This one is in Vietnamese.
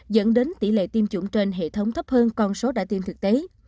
dẫn đến tỷ lệ tiêm chủng trên hệ thống thấp hơn con số đã tiêm thực tế